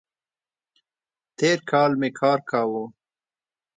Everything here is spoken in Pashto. تېر کال می کار کاوو